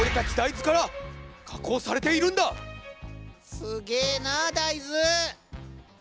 すげえな大豆！